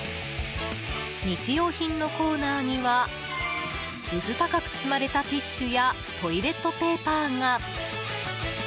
日用品のコーナーにはうず高く積まれたティッシュやトイレットペーパーが。